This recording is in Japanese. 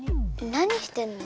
何してるの？